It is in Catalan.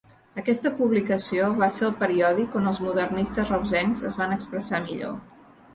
Aquesta publicació va ser el periòdic on els modernistes reusencs es van expressar millor.